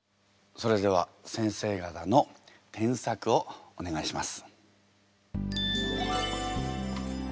それでは内先生から発表をお願いします。